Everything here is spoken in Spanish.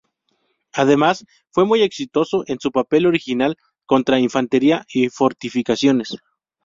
Además, fue muy exitoso en su papel original contra infantería y fortificaciones.